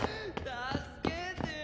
助けてよ。